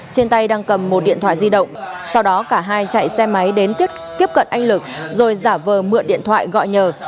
trên tay đang cầm một điện thoại di động sau đó cả hai chạy xe máy đến tiếp cận anh lực rồi giả vờ mượn điện thoại gọi nhờ